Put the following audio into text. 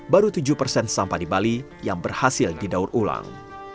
baru tujuh persen sampah di bali yang berhasil didaur ulang